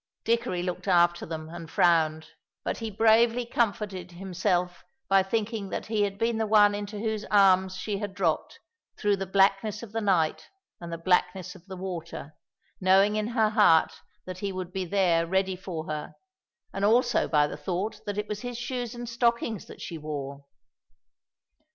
Dickory looked after them and frowned, but he bravely comforted himself by thinking that he had been the one into whose arms she had dropped, through the blackness of the night and the blackness of the water, knowing in her heart that he would be there ready for her, and also by the thought that it was his shoes and stockings that she wore.